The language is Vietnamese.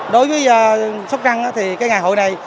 đối với sóc trăng thì cái ngày hội này